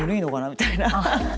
みたいな。